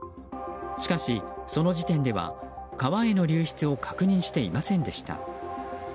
しかしその時点では川への流出を確認していませんでした。